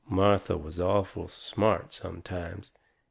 Martha was awful smart sometimes.